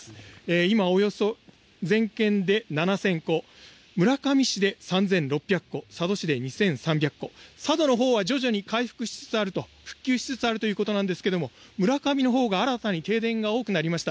今およそ全県で７０００戸村上市で３６００戸佐渡市で２３００戸佐渡のほうは徐々に回復しつつある復旧しつつあるということですが村上のほうが新たに停電が多くなりました。